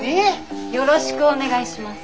よろしくお願いします。